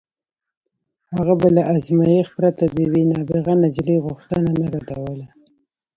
هغه به له ازمایښت پرته د یوې نابغه نجلۍ غوښتنه نه ردوله